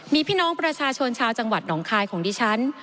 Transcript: มีพี่น้องประชาชนชาวจังหวัดหนองคายของดิฉัน